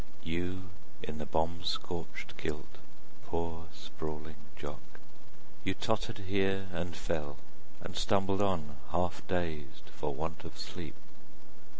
You in the bomb scorched kilt, poor sprawling Jock, You tottered here and fell, and stumbled on, Half dazed for want of sleep.